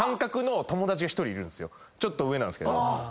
ちょっと上なんすけど。